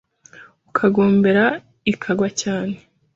Ukagombera ikagwa cyane